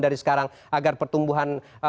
dari sekarang agar pertumbuhan